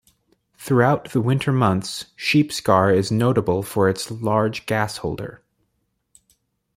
Throughout the winter months, Sheepscar is notable for its large gasholder.